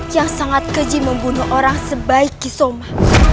yang sangat keji membunuh orang sebaik kisoma